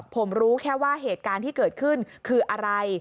ผมรู้แค่ว่าเหตุการณ์ที่เกิดขึ้นคืออะไร